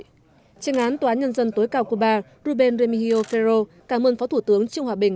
tránh án toán nhân dân tối cao cuba ruben remigio ferro cảm ơn phó thủ tướng trương hòa bình